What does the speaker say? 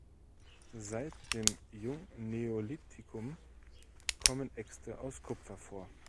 Seit dem Jungneolithikum kommen Äxte aus Kupfer vor.